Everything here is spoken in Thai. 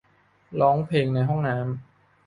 ร้องเพลงในห้องน้ำ